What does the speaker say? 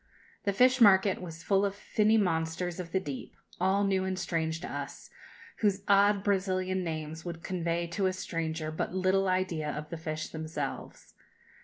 The fish market was full of finny monsters of the deep, all new and strange to us, whose odd Brazilian names would convey to a stranger but little idea of the fish themselves.